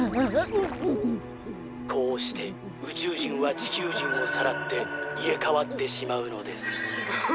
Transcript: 「こうしてうちゅうじんはちきゅうじんをさらっていれかわってしまうのです」。